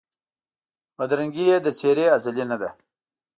بدرنګي یې د څېرې ازلي نه ده